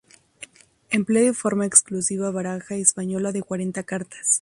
Emplea de forma exclusiva baraja española de cuarenta cartas.